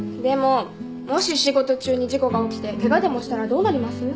でももし仕事中に事故が起きてケガでもしたらどうなります？